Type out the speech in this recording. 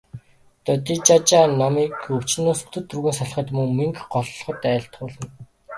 Додижажаа номыг өвчнөөс үтэр түргэн салахад, мөн мэнгэ голлоход айлтгуулна.